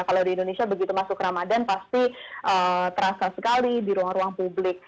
kalau di indonesia begitu masuk ramadan pasti terasa sekali di ruang ruang publik